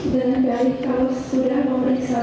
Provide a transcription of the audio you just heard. dengan baik kalau sudah memeriksa